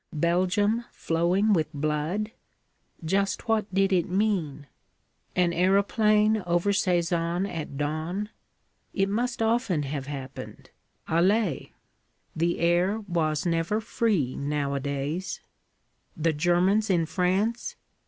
Belgium flowing with blood? Just what did it mean? An aeroplane over Sézanne at dawn? It must often have happened, allez! The air was never free, nowadays. The Germans in France?